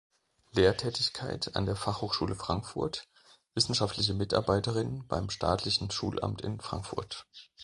Lehrtätigkeit an der Fachhochschule Frankfurt; wissenschaftliche Mitarbeiterin beim staatlichen Schulamt in Frankfurt.